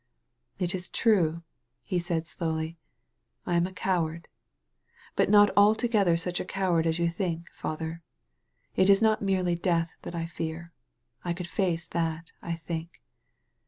"It is true," he said slowly, "I am a coward. But not altogether such a coward as you think. Father. It is not merely death that I fear. I could face that, I think.